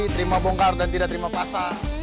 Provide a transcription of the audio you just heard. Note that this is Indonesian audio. terima bongkar dan tidak terima pasar